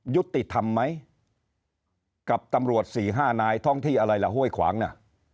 ยุติธรรมไหมกับตำรวจสี่ห้านายท้องที่อะไรล่ะห้วยขวางน่ะ